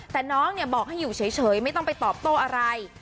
แต่น้องบอกให้อยู่เฉยไม่ต้องไปตอบโต้อะไร